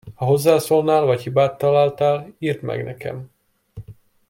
Ha hozzászólnál vagy hibát találtál, írd meg nekem!